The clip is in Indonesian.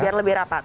biar lebih rapat